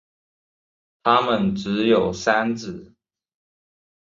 它们只有三趾。